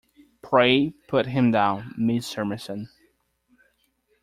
Pray put him down, Miss Summerson!